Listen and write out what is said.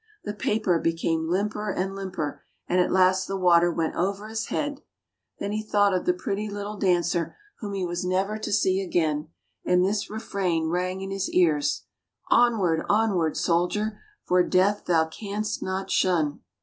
The paper became limper and limper, and at last the water went over his head — then he thought of the pretty little dancer, whom he was never to see again, and this refrain rang in his ears, — "Onward! Onward! Soldier! For death thou canst not shun."